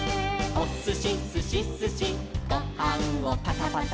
「おすしすしすしごはんをパタパタ」